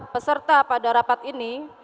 peserta pada rapat ini